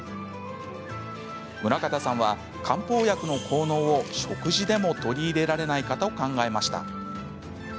宗形さんは、漢方薬の効能を食事でも取り入れられないかと考えました。